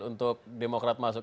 untuk demokrat masuk